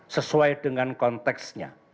sesuai dengan konteksnya